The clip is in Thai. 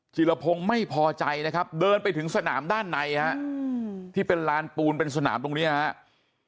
จิรพงศ์ไม่พอใจนะครับเดินไปถึงสนามด้านในฮะที่เป็นลานปูนเป็นสนามตรงนี้ครับ